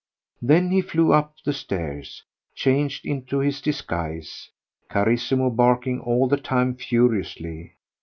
Then he flew up the stairs, changed into his disguise, Carissimo barking all the time furiously.